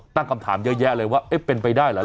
ตั้งคำถามเยอะแยะเลยว่าเอ๊ะเป็นไปได้เหรอ